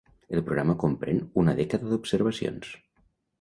El programa comprèn una dècada d'observacions.